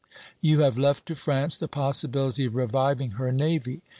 You have left to France the possibility of reviving her navy."